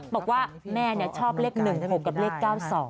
บอกว่าแม่ชอบเลข๑๖กับเลข๙๒